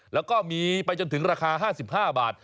แล้วก็มีไปจนถึงราคา๕๕บาท